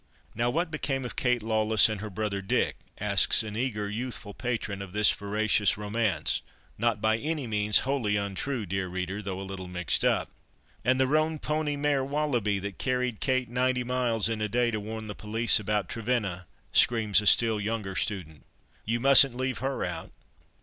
"Now, what became of Kate Lawless and her brother Dick?" asks an eager youthful patron of this veracious romance (not by any means wholly untrue, dear reader, though a little mixed up). "And the roan pony mare 'Wallaby' that carried Kate ninety miles in a day to warn the police about Trevenna," screams a still younger student. "You mustn't leave her out."